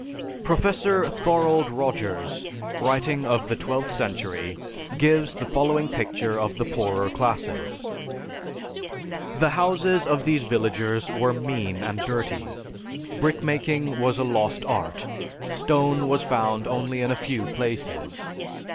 Professor Thorold Rogers, writing of the twelfth century, gives the following picture of the poorer classes: "The houses of these villagers were mean and dirty. Brickmaking was a lost art, stone was found only in a few places.